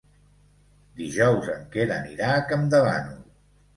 Dijous en Quer anirà a Campdevànol.